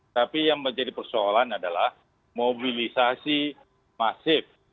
tapi yang menjadi persoalan adalah mobilisasi masif